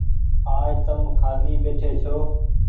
آج تم کآلي ٻيٺي ڇو۔